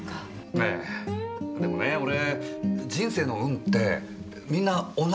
えぇでもね俺人生の運ってみんな同じだと思うんですよ。